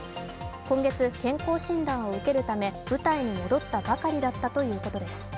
今月、健康診断を受けるため部隊に戻ったばかりだったということです。